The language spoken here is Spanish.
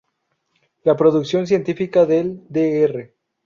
La producción científica del Dr.